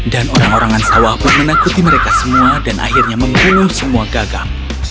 dan orang orang ansawah pun menakuti mereka semua dan akhirnya membunuh semua gagak